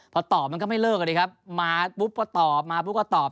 พอตอบมันก็ไม่เลิกกันดิครับมาปุ๊บก็ตอบมาปุ๊บก็ตอบ